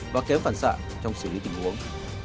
và kém phản xạ trong xử lý tình huống